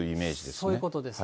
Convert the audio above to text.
そういうことですね。